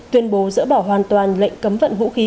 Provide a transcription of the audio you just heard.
tuyên bố dỡ bỏ hoàn toàn lệnh cấm vận vũ khí